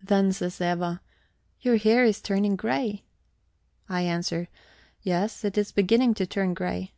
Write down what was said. Then says Eva: 'Your hair is turning grey.' I answer: 'Yes, it is beginning to turn grey.'